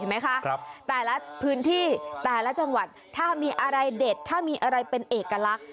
ไหมคะแต่ละพื้นที่แต่ละจังหวัดถ้ามีอะไรเด็ดถ้ามีอะไรเป็นเอกลักษณ์